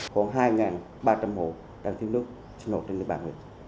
khoảng hai ba trăm linh hộ đang thiếu nước sinh hoạt trên địa bàn huyện